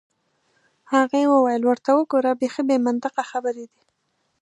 هغې وویل: ورته وګوره، بیخي بې منطقه خبرې دي.